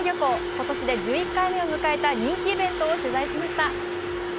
今年で１１回目を迎えた人気イベントを取材しました。